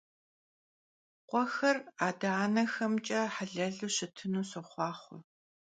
Khuexer ade - anexemç'e helelu şıtınu soxhuaxhue!